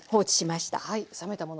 はい冷めたものです。